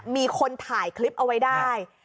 มีคนถ่ายคลิปเอาไว้ได้